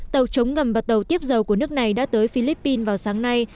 tàu chống ngầm và tàu tiếp dầu của nước này đã tới philippines vào sáng nay